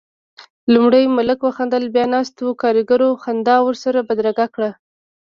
لومړی ملک وخندل، بيا ناستو کاريګرو خندا ورسره بدرګه کړه.